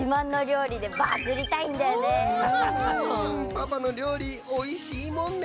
パパのりょうりおいしいもんね！